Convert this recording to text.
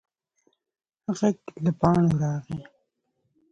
غږ له پاڼو راغی.